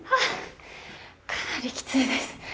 かなりきついです。